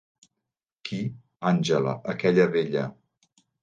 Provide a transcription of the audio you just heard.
Qui, Angela, aquella vella.